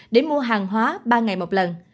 để mua hàng hóa ba ngày một lần